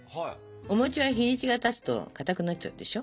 お餅は日にちがたつとかたくなっちゃうでしょ？